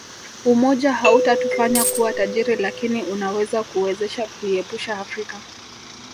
Umoja hautatufanya kuwa tajiri lakini unaweza kuwezesha kuiepusha Afrika